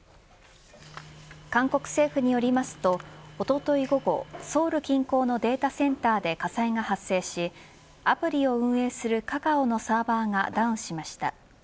韓国政府によりますとおととい午後、ソウル近郊のデータセンターで火災が発生しアプリを運営するカカオのサーバーがダウンしました。